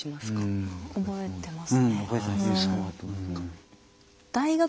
うん覚えてます。